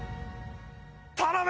頼む！